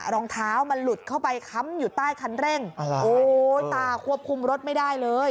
รองเท้ามันหลุดเข้าไปค้ำอยู่ใต้คันเร่งโอ้ยตาควบคุมรถไม่ได้เลย